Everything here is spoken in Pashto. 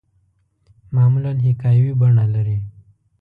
معمولاً حکایوي بڼه لري.